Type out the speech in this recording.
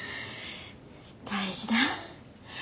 大事だ。